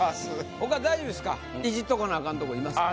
他大丈夫ですか？